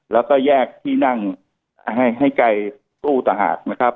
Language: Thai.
แล้วก็แยกที่นั่งให้ไกลตู้ต่อหาด